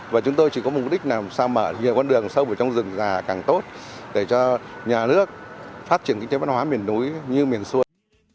và chúng tôi chỉ có mục đích là sao mở nhiều con đường sâu vào trong rừng già càng tốt để cho nhà nước phát triển kinh tế văn hóa miền núi như miền xuôi